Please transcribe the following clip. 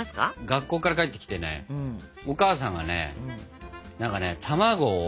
学校から帰ってきてねお母さんがねなんかね卵を。